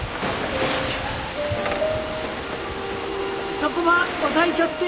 そこば押さえちょって。